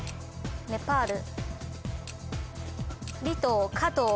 ネパール。